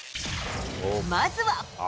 まずは。